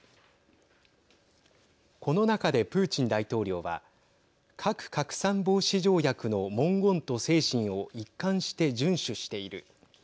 この中でプーチン大統領は核拡散防止条約の文言と精神を一貫して順守している。